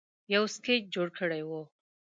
یو سکیچ جوړ کړی وو